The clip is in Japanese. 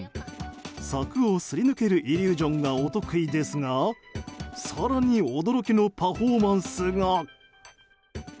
柵をすり抜けるイリュージョンがお得意ですが更に、驚きのパフォーマンスが。